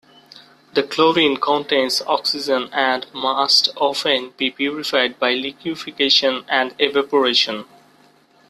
The chlorine contains oxygen and must often be purified by liquefaction and evaporation.